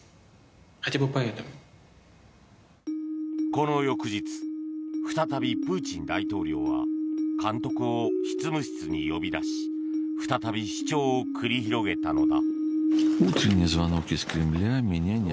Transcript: この翌日再びプーチン大統領は監督を執務室に呼び出し再び主張を繰り広げたのだ。